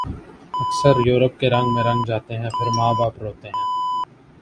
اکثر یورپ کے رنگ میں رنگ جاتے ہیں پھر ماں باپ روتے ہیں